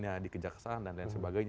yang dikejaksaan dan lain sebagainya